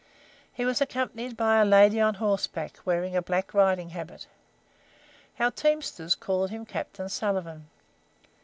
He was accompanied by a lady on horseback, wearing a black riding habit. Our teamsters called him Captain Sullivan.